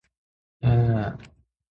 歯磨きはしたの？